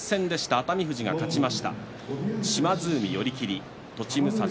熱海富士が勝ちました。